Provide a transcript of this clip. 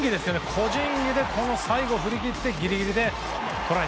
個人技で最後振り切ってギリギリでトライ！